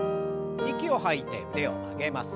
息を吐いて腕を曲げます。